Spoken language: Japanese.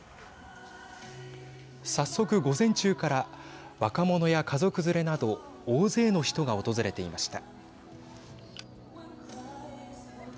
早速、午前中から若者や家族連れなど大勢の人が訪れていました。